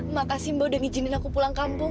makasih mbak udah ngijinin aku pulang kampung